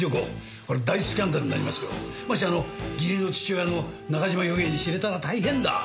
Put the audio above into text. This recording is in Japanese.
もし義理の父親の中島与平に知れたら大変だ。